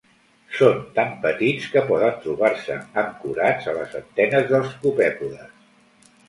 Són tan petits que poden trobar-se ancorats a les antenes dels copèpodes.